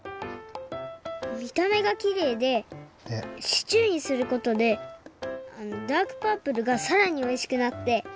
みためがきれいでシチューにすることでダークパープルがさらにおいしくなって。